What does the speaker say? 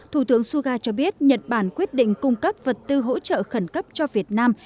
thủ tướng suga cho biết nhật bản quyết định cung cấp vật tư hỗ trợ khẩn cấp cho việt nam